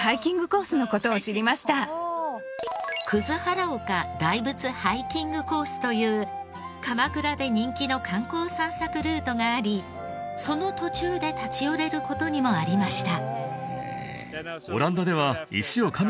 葛原岡・大仏ハイキングコースという鎌倉で人気の観光散策ルートがありその途中で立ち寄れる事にもありました。